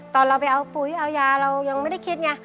ตอนเราไปเอาปุ๋ยเอายาเรายังไม่ได้คิดไง